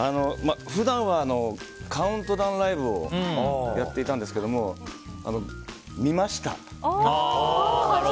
普段はカウントダウンライブをやっていたんですけども見ました。